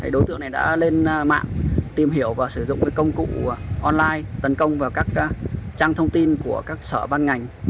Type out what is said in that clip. đối tượng này đã lên mạng tìm hiểu và sử dụng công cụ online tấn công vào các trang thông tin của các sở ban ngành